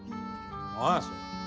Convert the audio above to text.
何やそれ？